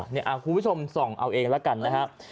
คุณผู้ชมส่องเอาเองแล้วกันนะครับ